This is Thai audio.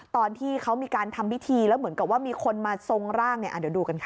ตอนที่เขามีการทำพิธีแล้วเหมือนกับว่ามีคนมาทรงร่างเนี่ยเดี๋ยวดูกันค่ะ